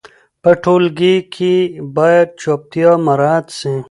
په ټولګي کې باید چوپتیا مراعت سي.